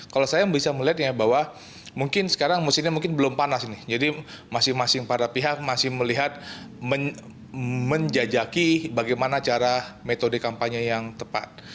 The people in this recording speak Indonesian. kalau saya bisa melihatnya bahwa mungkin sekarang mesinnya mungkin belum panas ini jadi masing masing para pihak masih melihat menjajaki bagaimana cara metode kampanye yang tepat